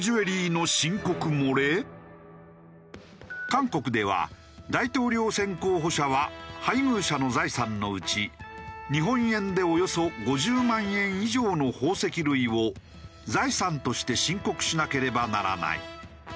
韓国では大統領選候補者は配偶者の財産のうち日本円でおよそ５０万円以上の宝石類を財産として申告しなければならない。